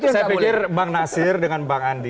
saya pikir bang nasir dengan bang andi